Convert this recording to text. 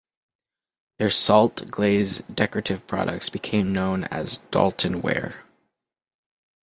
Their salt glaze decorative products became known as 'Doulton Ware'.